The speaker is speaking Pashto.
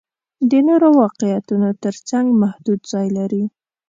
د نورو واقعیتونو تر څنګ محدود ځای لري.